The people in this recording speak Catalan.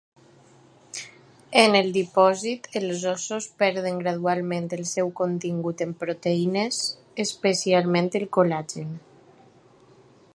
En el dipòsit, els ossos perden gradualment el seu contingut en proteïnes, especialment el col·lagen.